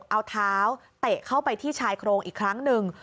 เอาเท้าเตะเข้าไปที่ชายโครงอีกครั้งหนึ่ง